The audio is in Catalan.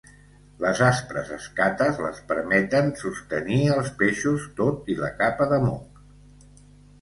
Les aspres escates les permeten sostenir els peixos tot i la capa de moc.